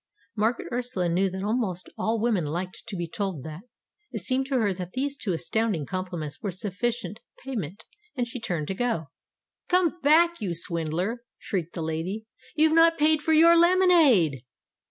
Margaret Ursula knew that almost all women liked to be told that. It seemed to her that these two astounding compliments were sufficient pay ment, and she turned to go. 308 STORIES WITHOUT TEARS "Come back, you swindler!" shrieked the lady. "You've not paid for your lemonade."